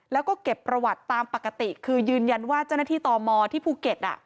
แล้วก็เก็บประวัติตามปกติคือยืนยันว่าเจ้าหน้าที่ตมที่ภูเก็ต